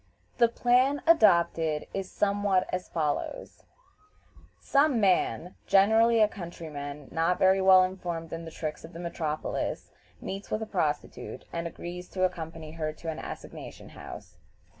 The plan adopted is somewhat as follows: Some man, generally a countryman not very well informed in the tricks of the metropolis, meets with a prostitute, and agrees to ac company her to an assignation house.